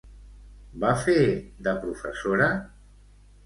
Va fer de professora?